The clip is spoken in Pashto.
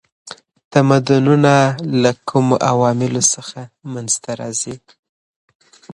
تمدنونه له کومو عواملو څخه منځ ته راځي؟